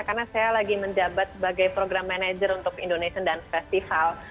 karena saya lagi menjabat sebagai program manager untuk indonesian dance festival